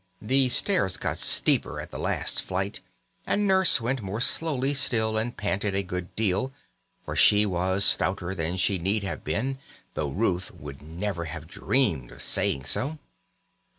The stairs got steeper at the last flight, and Nurse went more slowly still, and panted a good deal, for she was stouter than she need have been, though Ruth would never have dreamed of saying so.